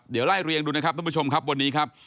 เดี๋ยวไล่เรียงดูนะครับท่านผู้ชมครับวันนี้ครับ